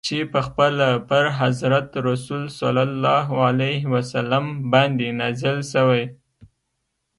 چي پخپله پر حضرت رسول ص باندي نازل سوی.